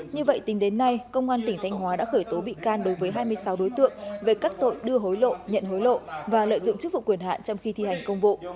như vậy tính đến nay công an tỉnh thanh hóa đã khởi tố bị can đối với hai mươi sáu đối tượng về các tội đưa hối lộ nhận hối lộ và lợi dụng chức vụ quyền hạn trong khi thi hành công vụ